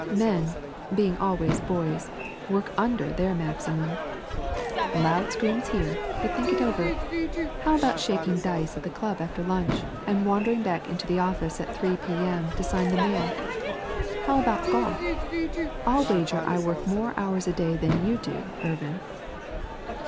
Men, being always boys, work under their maximum. (Loud screams here. But think it over! How about shaking dice at the club after lunch, and wandering back to the office at three P.M. to sign the mail? How about golf? I'll wager I work more hours a day than you, Irvin!)